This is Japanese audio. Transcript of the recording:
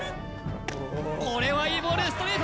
これはいいボールストレート